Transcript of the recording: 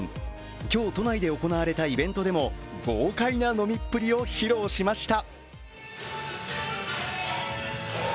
今日、都内で行われたイベントでも豪快な飲みっぷりを披露しました。